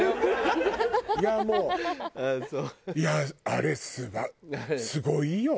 いやあれすごいよ。